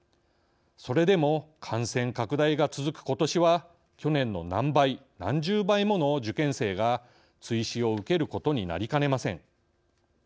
それでも感染拡大が続くことしは去年の何倍何十倍もの受験生が追試を受けることになりかねません。